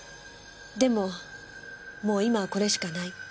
でももう今はこれしかない。